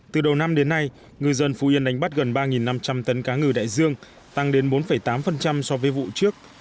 từ đầu năm đến nay ngư dân phú yên đánh bắt gần ba năm trăm linh tấn cá ngừ đại dương tăng đến bốn tám so với vụ trước